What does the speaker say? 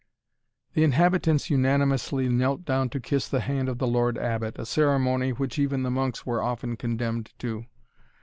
The inhabitants unanimously knelt down to kiss the hand of the Lord Abbot, a ceremony which even the monks were often condemned to.